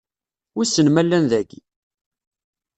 Wissen ma llan dagi?